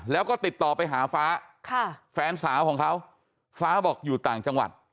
แล้วก็ติดต่อไปหาฟ้าแฟนสาวของเขาฟ้าบอกอยู่ต่างจังหวัด